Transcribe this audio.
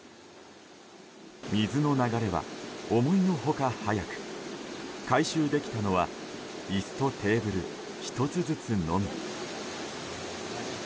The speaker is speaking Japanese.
水の流れは思いのほか速く回収できたのは椅子とテーブル１つずつのみ。